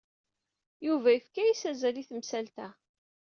Yuba yefka-as azal i temsalt-a.